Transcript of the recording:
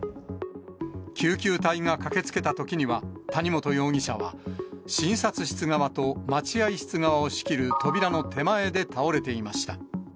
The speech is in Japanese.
救急隊が駆けつけたときには、谷本容疑者は、診察室側と待合室側を仕切る扉の手前で倒れていました。